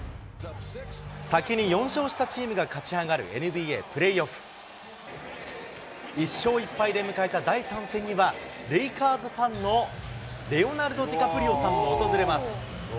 先に４勝したチームが勝ち上がるＮＢＡプレーオフ。１勝１敗で迎えた第３戦には、レイカーズファンのレオナルド・ディカプリオさんも訪れます。